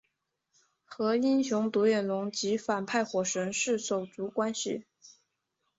和英雄独眼龙及反派火神是手足关系。